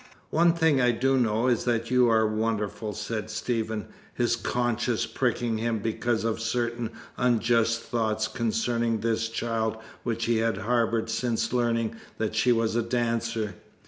"One thing I do know, is that you are wonderful," said Stephen, his conscience pricking him because of certain unjust thoughts concerning this child which he had harboured since learning that she was a dancer.